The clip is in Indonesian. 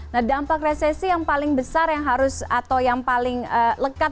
nah dampak resesi yang paling besar yang harus atau yang paling lekat